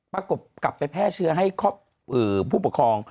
กบกลับไปแพร่เชื้อให้ผู้ปกครอง